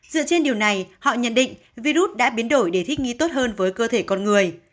dựa trên điều này họ nhận định virus đã biến đổi để thích nghi tốt hơn với cơ thể con người